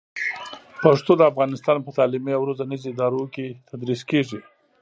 پښتو د افغانستان په تعلیمي او روزنیزو ادارو کې تدریس کېږي.